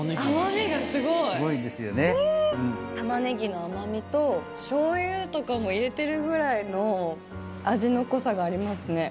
玉ねぎの甘みとしょうゆとかも入れてるぐらいの味の濃さがありますね。